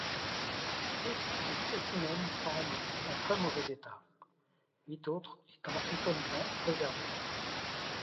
Six des spécimens semblent en très mauvais état, huit autres étant étonnamment préservés.